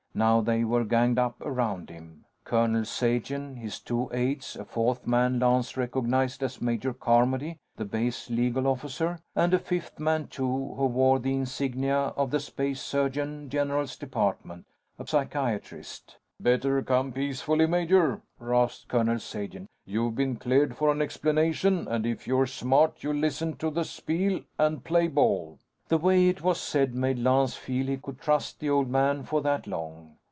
Now, they were ganged up around him: Colonel Sagen, his two aides, a fourth man Lance recognized as Major Carmody, the base legal officer and a fifth man too, who wore the insignia of the Space Surgeon General's Department. A psychiatrist. "Better come peacefully, major," rasped Colonel Sagen. "You've been 'cleared' for an explanation and if you're smart, you'll listen to the spiel and play ball." The way it was said made Lance feel he could trust the Old Man for that long.